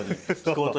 そう。